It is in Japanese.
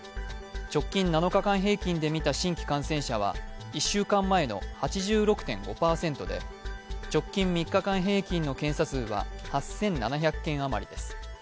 直近７日間平均で見た新規感染者は１週間前の８６．５％で、直近３日間平均の検査数は８７００件余りです。